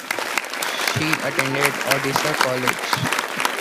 She attended Odessa College.